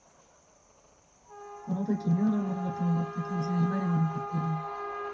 この時妙なものだと思った感じが今でも残っている